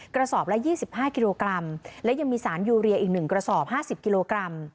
กระสอบละ๒๕กิโลกรัมและยังมีสารยูเรียอีก๑กระสอบ๕๐กิโลกรัม